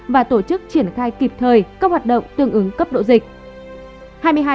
và tổ chức triển khai kịp thời các hoạt động tương ứng cấp độ dịch